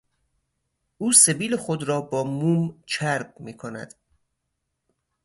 او سبیل خود را با موم چرب میکند.